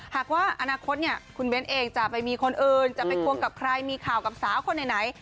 หากว่าอนาคตเนี่ยคุณเบ้นเองจะไปมีคนอื่นจะไปควงกับใครมีข่าวกับสาวคนไหน